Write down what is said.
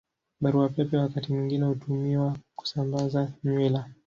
Barua Pepe wakati mwingine hutumiwa kusambaza nywila.